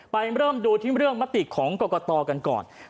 เริ่มดูที่เรื่องมติของกรกตกันก่อน